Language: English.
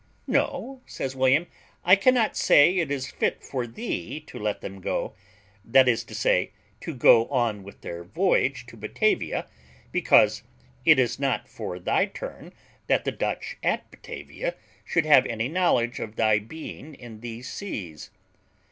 "No," says William, "I cannot say it is fit for thee to let them go; that is to say, to go on with their voyage to Batavia, because it is not for thy turn that the Dutch at Batavia should have any knowledge of thy being in these seas."